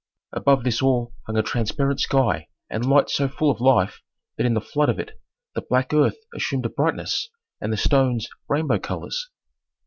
Above this all hung a transparent sky and light so full of life that in the flood of it the black earth assumed a brightness, and the stones rainbow colors.